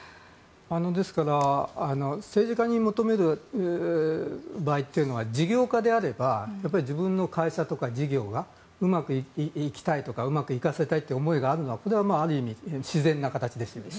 ですから政治家に求める場合というのは事業家であれば自分の会社とか事業がうまくいきたいとかうまくいかせたいという思いがあるのはある意味、自然な形です。